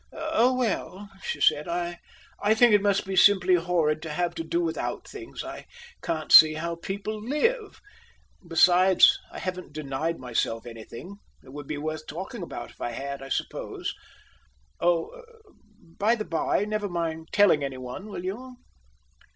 "Oh, well!" she said, "I think it must be simply horrid to have to do without things. I can't see how people live. Besides, I haven't denied myself any thing. It would be worth talking about if I had, I suppose. Oh! By the by, never mind telling any one, will you?"